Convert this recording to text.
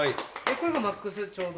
・これがマックスちょうど？